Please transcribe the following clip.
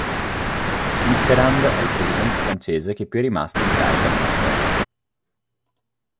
Mitterrand è il presidente francese che più è rimasto in carica nella storia.